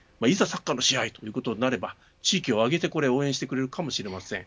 サッカーの試合となれば地域を挙げて応援してくれるかもしれません。